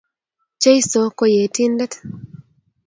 Jesu ko Yetindet!